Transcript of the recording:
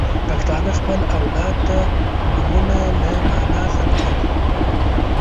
• پښتانه خپل اولاد ته نومونه له معنا سره ټاکي.